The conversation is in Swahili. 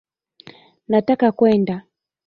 Nataka kwenda